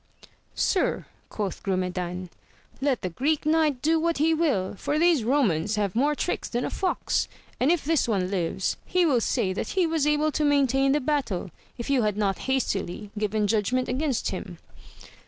Sir, quoth Grumedan, let the Greek Knight do what he will, for these Romans have more tricks than a fox, and if this one lives he will say that he was able to maintain the battle, if you had not hastily given judgement against him.